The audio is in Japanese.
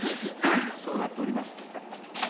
そうなっております。